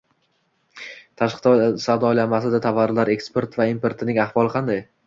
Tashqi savdo aylanmasida tovarlar eksport va importining ahvoli qanday?